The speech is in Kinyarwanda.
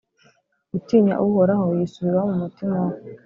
utinya Uhoraho yisubiraho mu mutima we.